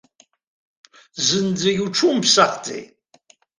Зынӡагьы уҽумԥсахӡеит!